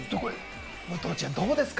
武藤ちゃん、どうですか？